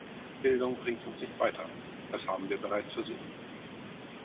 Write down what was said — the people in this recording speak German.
Bildung bringt uns nicht weiter, das haben wir bereits versucht.